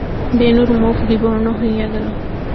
বেণুর মুখ বিবর্ণ হইয়া গেল।